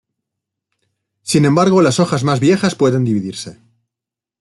Sin embargo las hojas más viejas pueden dividirse.